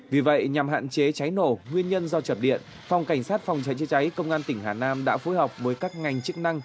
vì vậy nhằm hạn chế cháy nổ nguyên nhân do chập điện phòng cảnh sát phòng cháy chữa cháy công an tỉnh hà nam đã phối hợp với các ngành chức năng